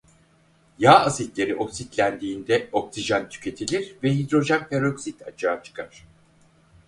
Yağ asitleri oksitlendiğinde oksijen tüketilir ve hidrojen peroksit açığa çıkar.